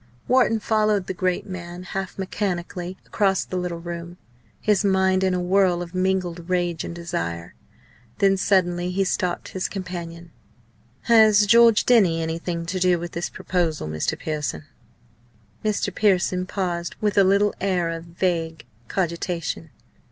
Wharton followed the great man half mechanically across the little room, his mind in a whirl of mingled rage and desire. Then suddenly he stopped his companion: "Has George Denny anything to do with this proposal, Mr. Pearson?" Mr. Pearson paused, with a little air of vague cogitation.